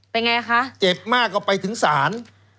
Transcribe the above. เป็นไงคะเจ็บมากก็ไปถึงศาล